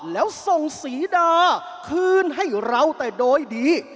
แล้วส่งสีดาคืนให้เราแต่โดยดี